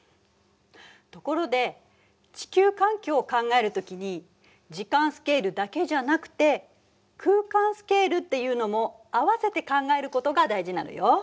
ところで地球環境を考える時に時間スケールだけじゃなくて空間スケールっていうのも合わせて考えることが大事なのよ。